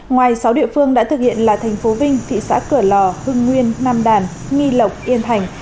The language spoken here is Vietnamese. ngoài sáu địa phương đã thực hiện là thành phố vinh thị xã cửa lò hưng nguyên nam đàn nghi lộc yên thành